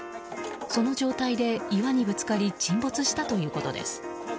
その状態で岩にぶつかり沈没したということです。